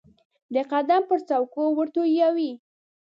د قلم پر څوکو ورتویوي